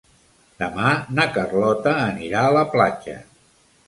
Demà na Carlota anirà a la platja.